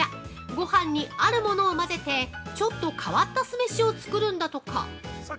ごはんにあるものを混ぜてちょっと変わった酢飯を作るんだとか。